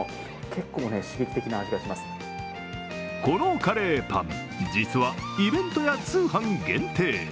このカレーパン、実はイベントや通販限定。